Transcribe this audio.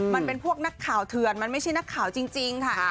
มันเป็นพวกนักข่าวเถื่อนมันไม่ใช่นักข่าวจริงค่ะ